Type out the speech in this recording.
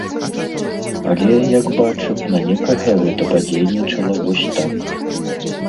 Але, як бачым, на некага гэта падзейнічала вось так.